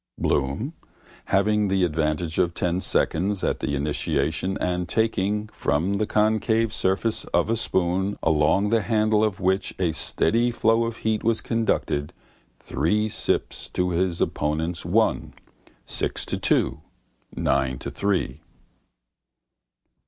Bloom, having the advantage of ten seconds at the initiation and taking, from the concave surface of a spoon along the handle of which a steady flow of heat was conducted, three sips to his opponent's one, six to two, nine to three.